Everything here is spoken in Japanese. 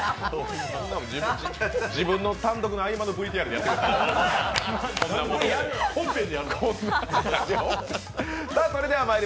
自分の単独の合間のＶＴＲでやってください。